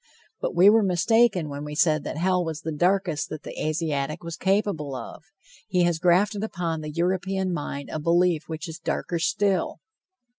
But we were mistaken when we said that hell was the darkest that the Asiatic was capable of. He has grafted upon the European mind a belief which is darker still.